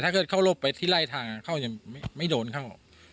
ถ้าเขาลบไปที่ไล่ทางเขาจะไม่โดนเข้า